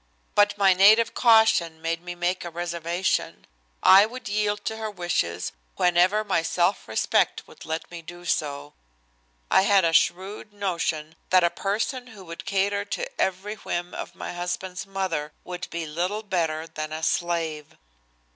But my native caution made me make a reservation. I would yield to her wishes whenever my self respect would let me do so. I had a shrewd notion that a person who would cater to every whim of my husband's mother would be little better than a slave.